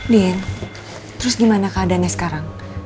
dean terus gimana keadaannya sekarang